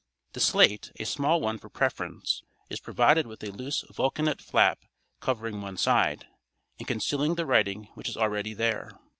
The slate, a small one for preference, is provided with a loose vulcanite flap covering one side, and concealing the writing which is already there.